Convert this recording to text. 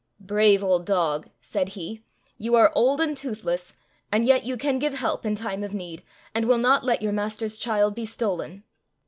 " Brave old dog !" said he ;" you are old and toothless, and yet you can give help in time of need, and will not let your master's child be stolen."